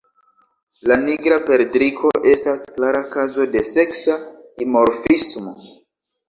La Nigra perdriko estas klara kazo de seksa dimorfismo.